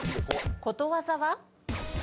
ことわざは？